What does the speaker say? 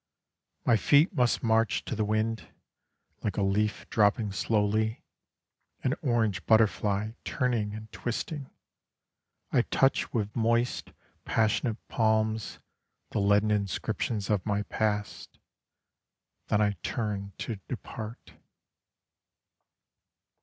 My feet must march to the wind. Like a leaf dropping slowly, An orange butterfly turning and twisting, I touch with moist passionate palms the leaden inscriptions Of my past. Then I turn to depart.